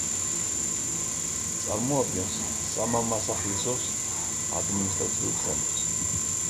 წარმოადგენს სამამასახლისოს ადმინისტრაციულ ცენტრს.